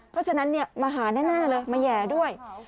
เพราะฉะนั้นมาหาแน่เลยมาแห่ด้วย